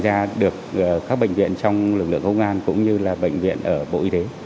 ra được các bệnh viện trong lực lượng công an cũng như là bệnh viện ở bộ y tế